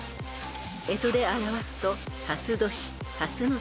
［干支で表すと］